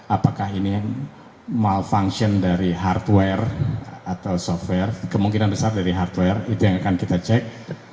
apakah ini malfunction dari hardware atau software kemungkinan besar dari hardware itu yang akan kita cek